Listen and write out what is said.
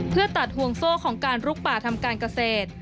เพื่อตัดห่วงโซ่ของการลุกป่าทำการเกษตร